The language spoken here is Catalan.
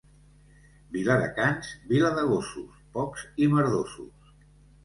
Viladecans, vila de gossos, pocs i merdosos.